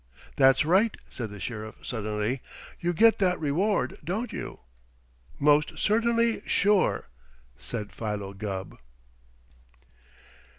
"That's right!" said the Sheriff suddenly. "You get that reward, don't you?" "Most certainly sure," said Philo Gubb.